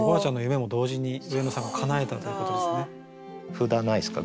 札ないですか？